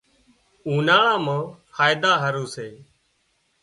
اُوناۯا مان فائيدا هارو سي